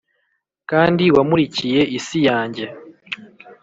kandi wamurikiye isi yanjye.